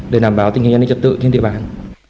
để đảm bảo tình hình an ninh trật tự trên địa bàn